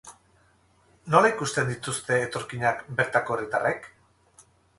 Nola ikusten dituzte etorkinak bertako herritarrek?